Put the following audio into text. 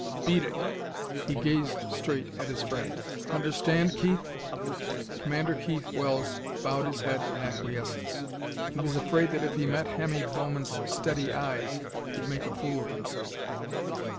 Beat it!" He gazed straight at his friend. "Understand, Keith?" Commander Keith Wells bowed his head in acquiescence. He was afraid that if he met Hemmy Bowman's steady eyes he'd make a fool of himself....